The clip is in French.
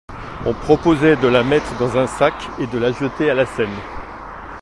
On proposait de la mettre dans un sac et de la jeter à la Seine.